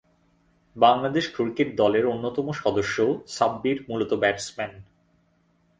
Bangladesh cricket দলের অন্যতম সদস্য সাব্বির মূলতঃ ব্যাটসম্যান।